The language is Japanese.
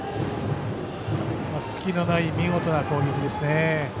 隙のない見事な攻撃ですね。